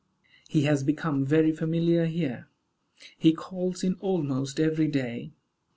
He has become very familiar here. He calls in almost every day.